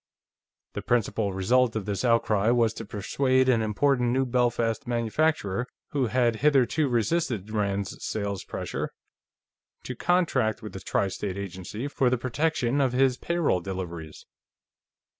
The principal result of this outcry was to persuade an important New Belfast manufacturer, who had hitherto resisted Rand's sales pressure, to contract with the Tri State Agency for the protection of his payroll deliveries.